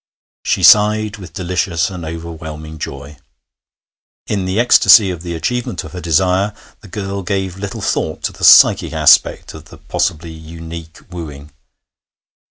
She sighed with delicious and overwhelming joy. In the ecstasy of the achievement of her desire the girl gave little thought to the psychic aspect of the possibly unique wooing.